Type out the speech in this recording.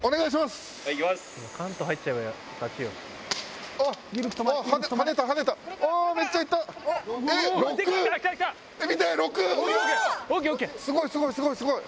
すごいすごいすごいすごい。